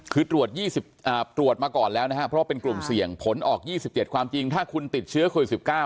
คือตรวจมาก่อนแล้วนะครับเพราะว่าเป็นกลุ่มเสี่ยงผลออก๒๗ความจริงถ้าคุณติดเชื้อโควิด๑๙